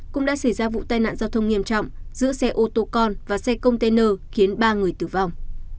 cũng đã xảy ra vụ tai nạn giao thông nghiêm trọng giữa xe ô tô con và xe container khiến ba người tử vong